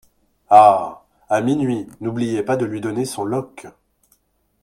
Ah ! à minuit, n’oubliez pas de lui donner son loch.